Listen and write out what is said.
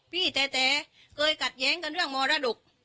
พี่แท้เคยกัดแย้งกันเรื่องมรดก